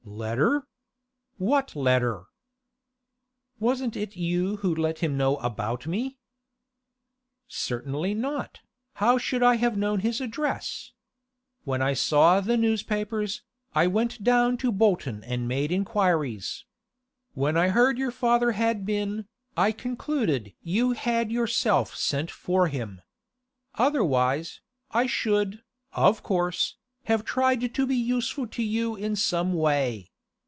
'Letter? What letter?' 'Wasn't it you who let him know about me?' 'Certainly not, How should I have known his address? When I saw the newspapers, I went down to Bolton and made inquiries. When I heard your father had been, I concluded you had yourself sent for him. Otherwise, I should, of course, have tried to be useful to you in some way.